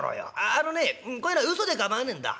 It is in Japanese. あのねこういうのはうそで構わねんだ。